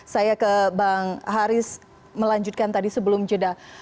saya ke bang haris melanjutkan tadi sebelum jeda